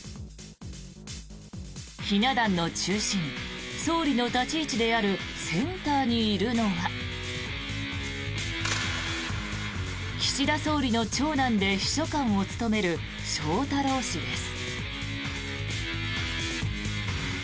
ひな壇の中心総理の立ち位置であるセンターにいるのは岸田総理の長男で秘書官を務める翔太郎氏です。